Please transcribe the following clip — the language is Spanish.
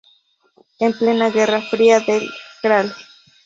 En plena Guerra Fría el Gral.